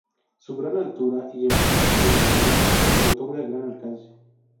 Su gran altura y empuñadura le otorga gran alcance.